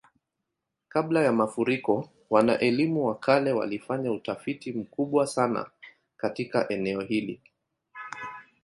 Kabla ya mafuriko, wana-elimu wa kale walifanya utafiti mkubwa sana katika eneo hili.